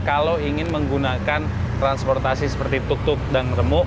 kalau ingin menggunakan transportasi seperti tuk tuk dan remuk